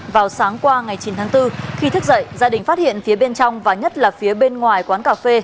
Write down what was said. vào sáng qua ngày chín tháng bốn khi thức dậy gia đình phát hiện phía bên trong và nhất là phía bên ngoài quán cà phê